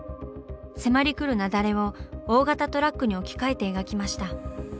迫り来る雪崩を大型トラックに置き換えて描きました。